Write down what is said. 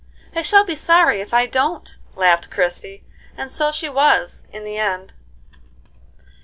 "I shall be sorry if I don't," laughed Christie, and so she was, in the end.